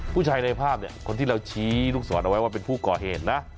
ผู้ชายในภาพเนี่ยคนที่เราชี้ลูกศรเอาไว้ว่าเป็นผู้ก่อเหตุนะ